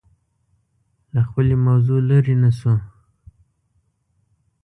له خپلې موضوع لرې نه شو